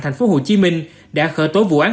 thành phố hồ chí minh đã khởi tố vụ án